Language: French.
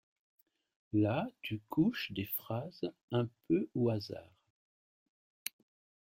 Là tu couches des phrases un peu au hasard.